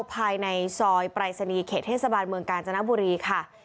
ภายในซอยปรายศนีย์เขตเทศบาลเมืองกาญจนบุรีค่ะ